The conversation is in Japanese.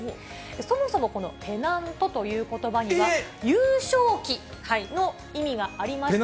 そもそもこのペナントということばには優勝旗の意味がありまして。